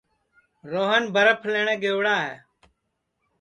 روہن برپھ لئوٹؔے گئوڑا ہے